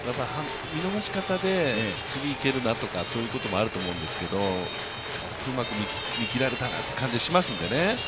見逃し方で、次行けるなとかそういうこともあると思うんですがちょっとうまく見切られたなという気がしますので。